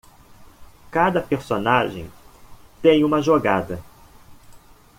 Cada personagem tem uma jogada